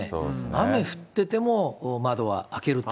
雨降ってても窓は開けると。